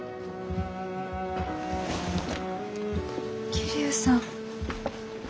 桐生さん。